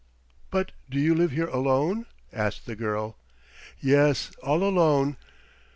"But do you live here alone?" asked the girl. "Yes, all alone.